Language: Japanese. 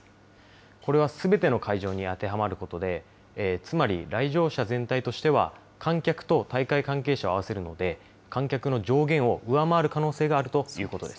これはすべての会場に当てはまることで、つまり来場者全体としては、観客と大会関係者を合わせるので、観客の上限を上回る可能性があるということです。